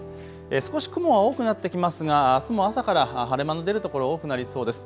少し雲が多くなってきますがあすも朝から晴れ間の出る所多くなりそうです。